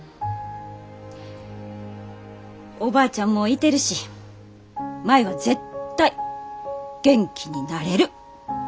おばあちゃんもいてるし舞は絶対元気になれる。